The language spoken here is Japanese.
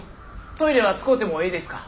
トイレは使うてもええですか？